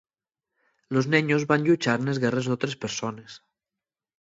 Los neños van lluchar nes guerres d'otres persones.